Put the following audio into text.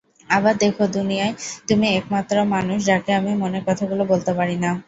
আবার দেখো, দুনিয়ায় তুমিই একমাত্র মানুষ যাকে আমি মনের কথাগুলো বলতে পারিনা।